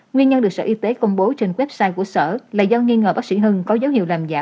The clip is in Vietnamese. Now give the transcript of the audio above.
nguyên nhân được sở y tế công bố trên website của sở là do nghi ngờ bác sĩ hưng có dấu hiệu làm giả